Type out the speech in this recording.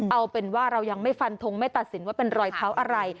เอาเป็นว่าเรายังไม่ฟันทงไม่ตัดสินว่าเป็นรอยเท้าอะไร